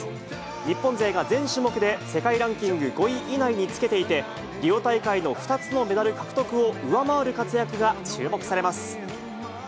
日本勢が全種目で世界ランキング５位以内につけていて、リオ大会の２つのメダル獲得を上回る活躍が注目されます。